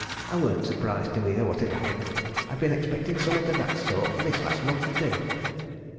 I weren't surprised to hear what had happened. I'd been expecting summat o' that sort this last month or two."